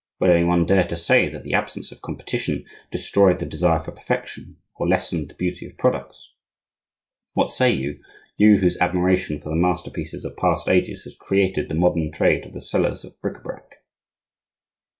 Will any one dare to say that the absence of competition destroyed the desire for perfection, or lessened the beauty of products? What say you, you whose admiration for the masterpieces of past ages has created the modern trade of the sellers of bric a brac?